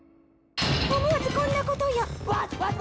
思わずこんなことや。